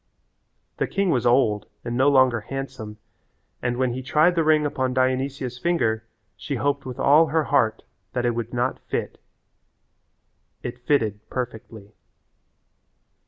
The king was old and no longer handsome, and when he tried the ring upon Dionysia's finger she hoped with all her heart that it would not fit. It fitted perfectly.